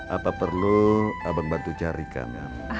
apa perlu abang bantu carikan